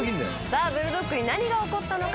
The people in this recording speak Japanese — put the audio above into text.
さあブルドッグに何が起こったのか？